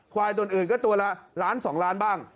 ควายตัวอื่นก็ตัวละ๑๒ล้านบ้าง